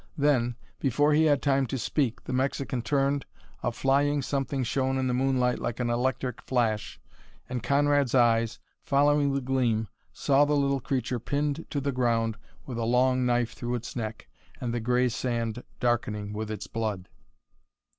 Then, before he had time to speak, the Mexican turned, a flying something shone in the moonlight like an electric flash, and Conrad's eyes, following the gleam, saw the little creature pinned to the ground with a long knife through its neck and the gray sand darkening with its blood.